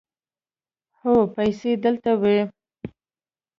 هو، پیسې دلته وې